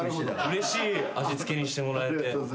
うれしい味付けにしてもらえて。